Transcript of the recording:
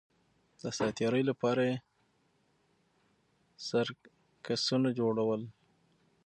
د ساتېرۍ لپاره یې سرکسونه جوړول